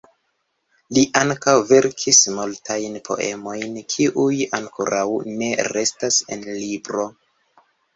Li ankaŭ verkis multajn poemojn kiuj ankoraŭ ne restas en libro.